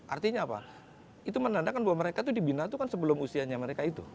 artinya apa itu menandakan bahwa mereka itu dibina itu kan sebelum usianya mereka itu